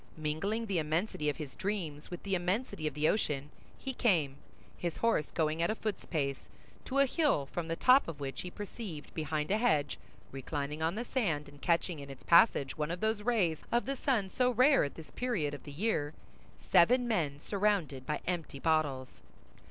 Mingling the immensity of his dreams with the immensity of the ocean, he came, his horse going at a foot's pace, to a hill from the top of which he perceived behind a hedge, reclining on the sand and catching in its passage one of those rays of the sun so rare at this period of the year, seven men surrounded by empty bottles.